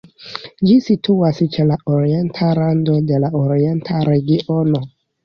Ĝi situas ĉe la orienta rando de la Orienta Regiono.